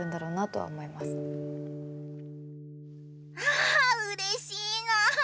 あうれしいなあ！